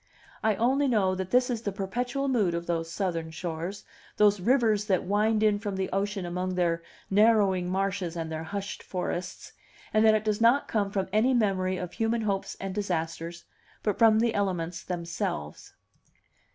I only know that this is the perpetual mood of those Southern shores, those rivers that wind in from the ocean among their narrowing marshes and their hushed forests, and that it does not come from any memory of human hopes and disasters, but from the elements themselves.